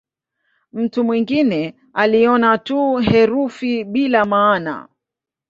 Mtu mwingine aliona tu herufi bila maana.